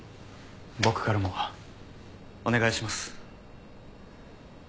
僕からもお願いします。